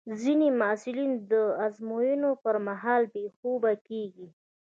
ځینې محصلین د ازموینو پر مهال بې خوبه کېږي.